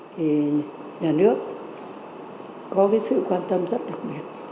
thì nhà nước có cái sự quan tâm rất đặc biệt